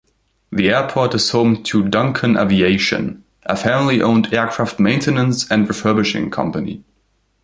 The airport is home to Duncan Aviation, a family-owned aircraft maintenance and refurbishing company.